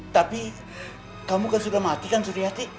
tapi kamu kan sudah mati kan suri hati